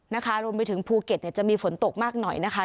นะคะรวมไปถึงภูเก็ตเนี่ยจะมีฝนตกมากหน่อยนะคะ